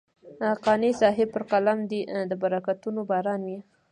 قانع صاحب پر قلم دې د برکتونو باران وي.